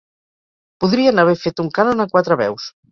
Podrien haver fet un cànon a quatre veus.